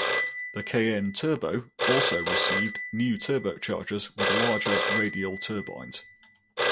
The Cayenne Turbo also received new turbochargers with larger radial turbines.